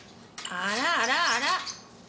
あらあらあら？